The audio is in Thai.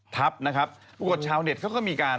ทัพนะครับเพราะว่าชาวเด็ดเขาก็มีการ